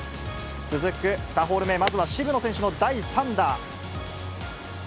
続く２ホール目、まずは渋野選手の第３打。